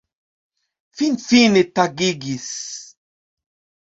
Finfine tagigis!